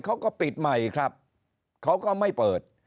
เขาก็ปิดใหม่ครับเขาก็ไม่เปิด